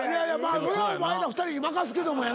あそれはお前ら２人に任すけどもやな。